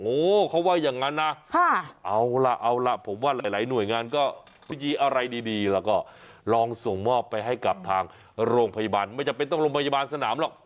โอ้โหเขาว่าอย่างนั้นนะเอาล่ะเอาล่ะผมว่าหลายหน่วยงานก็วิธีอะไรดีแล้วก็ลองส่งมอบไปให้กับทางโรงพยาบาลไม่จำเป็นต้องโรงพยาบาลสนามหรอก